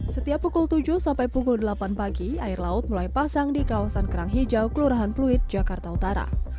setiap pukul tujuh sampai pukul delapan pagi air laut mulai pasang di kawasan kerang hijau kelurahan pluit jakarta utara